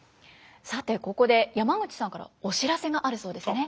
さてここで山口さんからお知らせがあるそうですね。